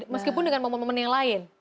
meskipun dengan momen momen yang lain